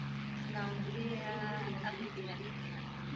Ripoti ya mwaka elfu mbili na kumi na saba ya kundi la kimazingira